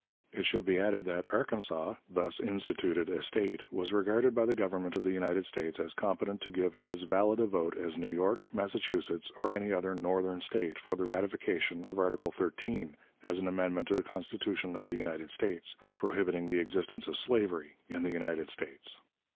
It should be added that Arkansas, thus "instituted" a State, was regarded by the Government of the United States as competent to give as valid a vote as New York, Massachusetts, or any other Northern State, for the ratification of Article XIII, as an amendment to the Constitution of the United States, prohibiting the existence of slavery in the United States.